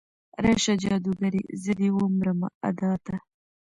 راشه جادوګرې، زه دې ومرمه ادا ته